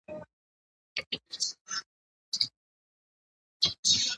آیا برتانوي ځواکونو مرچلونه نیولي وو؟